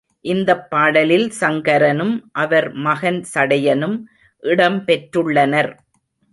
இந்தப் பாடலில் சங்கரனும் அவர் மகன் சடையனும் இடம் பெற்றுள்ளனர்.